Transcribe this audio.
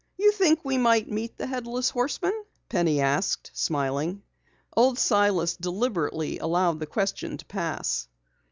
"You think we might meet the Headless Horseman?" Penny asked, smiling. Old Silas deliberately allowed the question to pass.